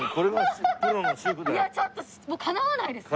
いやちょっともうかなわないです。